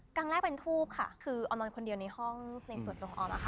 ครั้งแรกเป็นทูบค่ะคือออนอนคนเดียวในห้องในส่วนตัวออนนะคะ